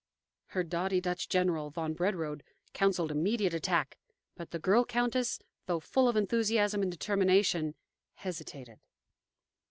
Her doughty Dutch general, von Brederode, counselled immediate attack, but the girl countess, though full of enthusiasm and determination, hesitated.